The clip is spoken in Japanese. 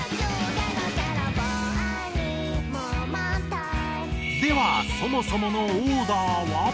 「我愛無問題」ではそもそものオーダーは？